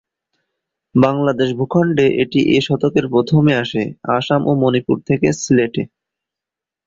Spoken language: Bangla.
বাংলাদেশ ভূখন্ডে এটি এ শতকের প্রথমে আসে আসাম ও মণিপুর থেকে সিলেটে।